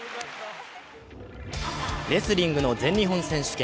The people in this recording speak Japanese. レスリングの全日本選手権。